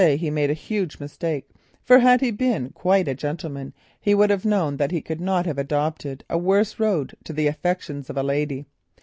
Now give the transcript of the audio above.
He made a huge mistake, for had he been quite a gentleman, he would have known that he could not have adopted a worse road to the affections of a lady.